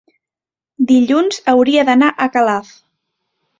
dilluns hauria d'anar a Calaf.